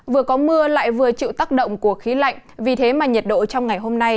vừa có mưa lại vừa chịu tác động của khí lạnh vì thế mà nhiệt độ trong ngày hôm nay